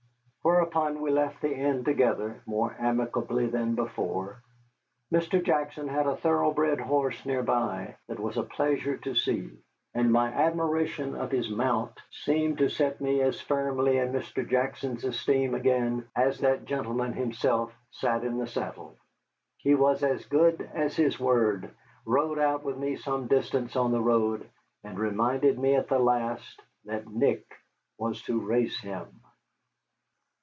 Whereupon we left the inn together, more amicably than before. Mr. Jackson had a thoroughbred horse near by that was a pleasure to see, and my admiration of his mount seemed to set me as firmly in Mr. Jackson's esteem again as that gentleman himself sat in the saddle. He was as good as his word, rode out with me some distance on the road, and reminded me at the last that Nick was to race him.